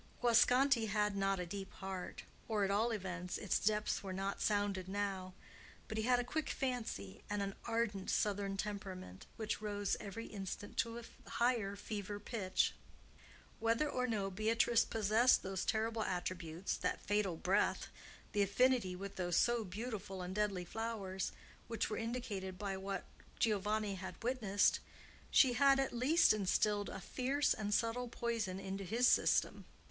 Guasconti had not a deep heart—or, at all events, its depths were not sounded now; but he had a quick fancy, and an ardent southern temperament, which rose every instant to a higher fever pitch. Whether or no Beatrice possessed those terrible attributes, that fatal breath, the affinity with those so beautiful and deadly flowers which were indicated by what Giovanni had witnessed, she had at least instilled a fierce and subtle poison into his system.